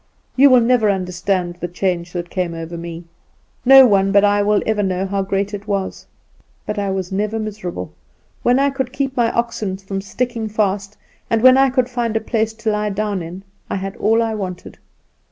You will never understand the change that came over me. No one but I will ever know how great it was. But I was never miserable; when I could keep my oxen from sticking fast, and when I could find a place to lie down in, I had all I wanted.